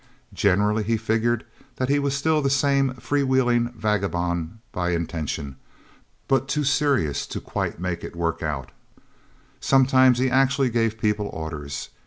Generally, he figured that he was still the same free wheeling vagabond by intention, but too serious to quite make it work out. Sometimes he actually gave people orders.